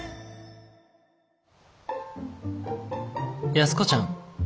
「安子ちゃん。